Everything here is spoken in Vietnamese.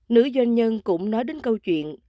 nữ doanh nhân cũng nói đến câu chuyện